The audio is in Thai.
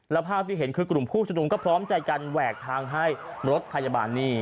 แล้วภาพที่เห็นคือกลุ่มผู้ชมนุมก็พร้อมใจกันแหวกทางให้รถพยาบาลนี่